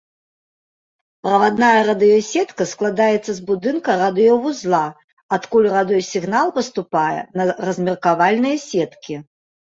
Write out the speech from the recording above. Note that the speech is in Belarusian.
Правадная радыёсетка складаецца з будынка радыёвузла, адкуль радыёсігнал паступае на размеркавальныя сеткі.